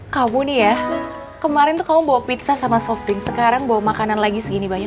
kamu nih ya kemarin tuh kamu bawa pizza sama softink sekarang bawa makanan lagi segini banyak